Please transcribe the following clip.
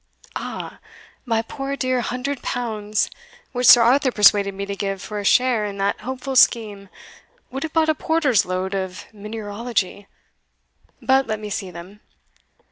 "Ah! my poor dear hundred pounds, which Sir Arthur persuaded me to give for a share in that hopeful scheme, would have bought a porter's load of mineralogy But let me see them."